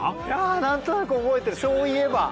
何となく覚えてるそういえば。